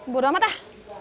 buru amat ah